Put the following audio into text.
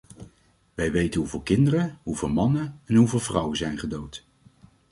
Wij weten hoeveel kinderen, hoeveel mannen en hoeveel vrouwen zijn gedood.